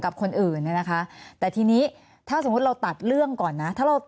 กับคนอื่นเนี่ยนะคะแต่ทีนี้ถ้าสมมุติเราตัดเรื่องก่อนนะถ้าเรา